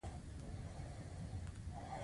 دا د بیولوژي او انجنیری یو ترکیب دی.